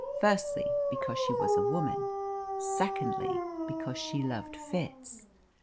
Firstly, because she was a woman. Secondly, because she loved Fitz.